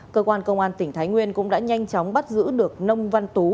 cơ quan công an tỉnh thái nguyên cũng đã nhanh chóng bắt giữ được nông văn tú